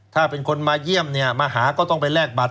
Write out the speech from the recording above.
ถ้าเป็นคนมาเยี่ยมเนี่ยมาหาก็ต้องไปแลกบัตร